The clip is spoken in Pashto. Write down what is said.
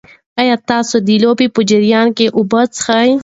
ایا تاسي د لوبې په جریان کې اوبه څښئ؟